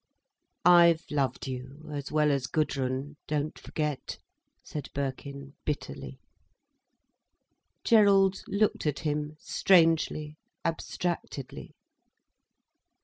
"I've loved you, as well as Gudrun, don't forget," said Birkin bitterly. Gerald looked at him strangely, abstractedly.